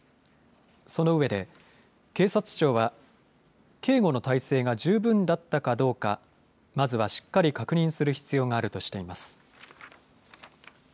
そのうえで警察庁は警護の体制が十分だったかどうか、まずはしっかり確認する必要があるとしています。